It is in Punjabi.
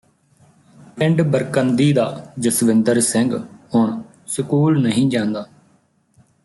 ਪਿੰਡ ਬਰਕੰਦੀ ਦਾ ਜਸਵਿੰਦਰ ਸਿੰਘ ਹੁਣ ਸਕੂਲ ਨਹੀਂ ਜਾਂਦਾ